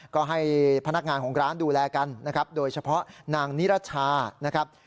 ก็ให้พนักงานของร้านดูแลกันนะครับโดยเฉพาะนางนิรชานะครับ